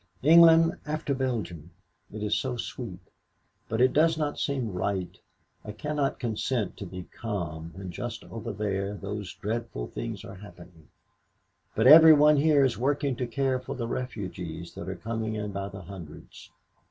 England after Belgium! It is so sweet, but it does not seem right. I cannot consent to be calm when just over there those dreadful things are happening. But every one here is working to care for the refugees that are coming in by the hundreds.